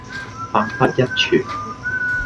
百不一存